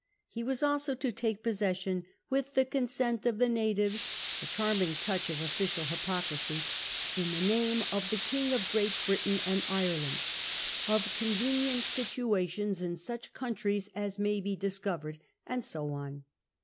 He was also to take possession, " with the <;onsciit of the natives "— a chiirming touch of official hypocrisy — in the name of the King of Great Britain and Ireland, of convenient situa tions in such countries as may be discovered, and so on.